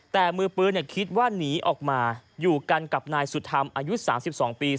แต่มือปืนคิดว่าหนีออกมาอยู่กันกับนายสุธรรมอายุ๓๒ปี